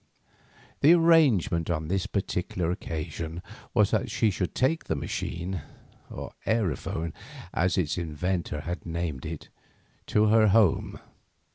The arrangement on this particular occasion was that she should take the machine—or aerophone, as its inventor had named it—to her home.